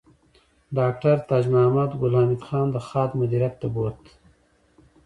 ډاکټر تاج محمد ګل حمید خان د خاد مدیریت ته بوت